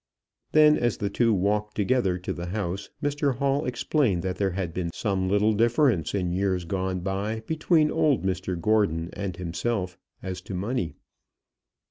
Then, as the two walked together to the house, Mr Hall explained that there had been some little difference in years gone by between old Mr Gordon and himself as to money.